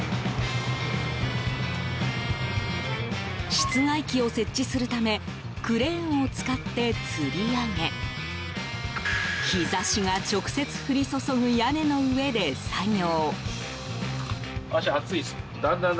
室外機を設置するためクレーンを使ってつり上げ日差しが直接降り注ぐ屋根の上で作業。